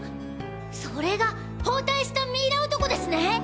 それが包帯したミイラ男ですね！